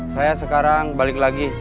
saya sekarang balik lagi